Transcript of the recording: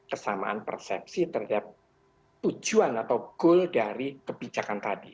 kesamaan persepsi terhadap tujuan atau goal dari kebijakan tadi